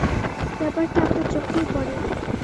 ব্যাপারটা আপনার চোখেও পড়ে নি।